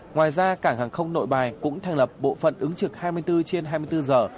ngoài ra cảng hàng không nội bài cũng thành lập bộ phận ứng trực hai mươi bốn trên hai mươi bốn giờ